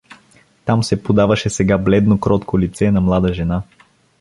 Там се подаваше сега бледно, кротко лице на млада жена.